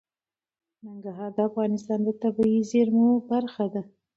ننګرهار د افغانستان د طبیعي زیرمو برخه ده.